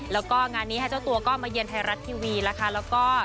แล้วก็งานนี้เจ้าตัวก็มาเยียนไทยรัฐทีวีแล้วก็